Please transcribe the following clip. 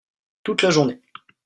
Toute la journée.